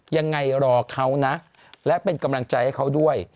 ยังไงรอเขานะและเป็นกำลังใจให้เขาด้วย